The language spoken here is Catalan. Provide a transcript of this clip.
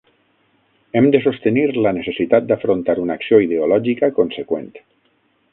Hem de sostenir la necessitat d'afrontar una acció ideològica conseqüent.